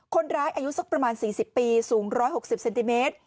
อายุสักประมาณ๔๐ปีสูง๑๖๐เซนติเมตร